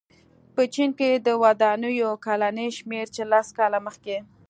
په چین کې د ودونو کلنی شمېر چې لس کاله مخې